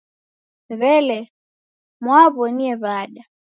W'elee, mwaaw'onie w'ada?